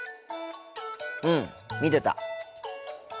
うん見てた。